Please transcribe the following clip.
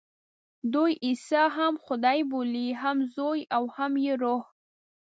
دوی عیسی هم خدای بولي، هم یې زوی او هم یې روح.